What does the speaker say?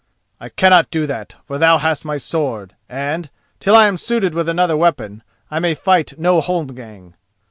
"I cannot do that, for thou hast my sword; and, till I am suited with another weapon, I may fight no holmgang.